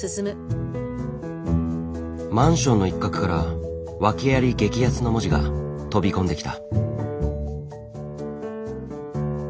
マンションの一角から「訳あり激安！！」の文字が飛び込んできた。